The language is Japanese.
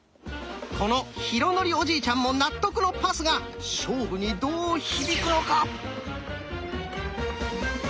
この浩徳おじいちゃんも納得の「パス」が勝負にどう響くのか！